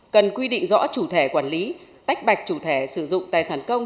cần quy định rõ chủ thể quản lý tách bạch chủ thẻ sử dụng tài sản công